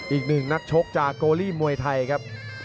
อีกหนึ่งนักชกจากโกลีมวยไทยครับ